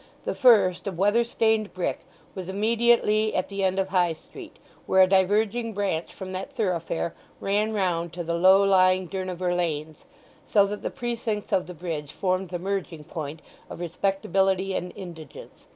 The first, of weather stained brick, was immediately at the end of High Street, where a diverging branch from that thoroughfare ran round to the low lying Durnover lanes; so that the precincts of the bridge formed the merging point of respectability and indigence.